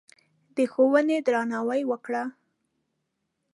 د ښوونې درناوی وکړه.